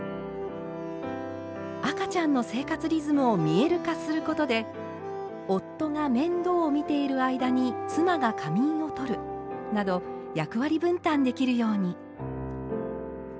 赤ちゃんの生活リズムを見える化することで夫が面倒を見ている間に妻が仮眠をとるなど役割分担できるように。